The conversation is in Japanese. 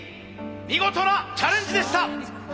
見事なチャレンジでした！